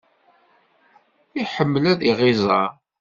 Iḥemmel ad aɣ-iẓer.